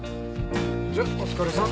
じゃあお疲れさん。